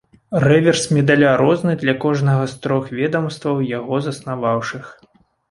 Рэверс медаля розны для кожнага з трох ведамстваў, яго заснаваўшых.